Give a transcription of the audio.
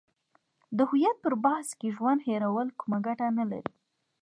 د هویت پر بحث کې ژوند هیرول کومه ګټه نه لري.